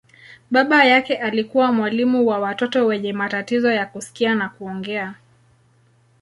Baba yake alikuwa mwalimu wa watoto wenye matatizo ya kusikia na kuongea.